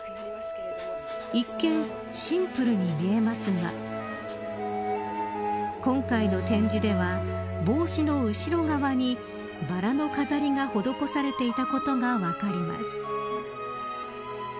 一見、シンプルに見えますが今回の展示では帽子の後ろ側にバラの飾りが施されていたことが分かります。